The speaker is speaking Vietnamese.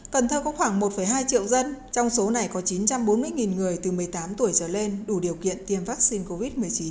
cần thơ có khoảng một hai triệu dân trong số này có chín trăm bốn mươi người từ một mươi tám tuổi trở lên đủ điều kiện tiêm vaccine covid một mươi chín